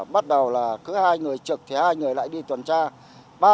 bắt đầu là cứ hai người trực thì hai người lại đi tuần tra